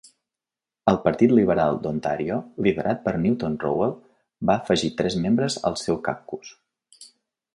El partit liberal d'Ontàrio, liderat per Newton Rowell, va afegir tres membres al seu caucus.